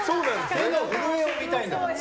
手の震えを見たいんだから。